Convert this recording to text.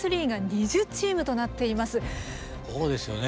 そうですよね